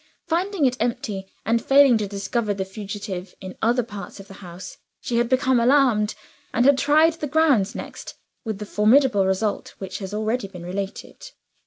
Finding it empty, and failing to discover the fugitive in other parts of the house, she had become alarmed, and had tried the grounds next with the formidable result which has been already related.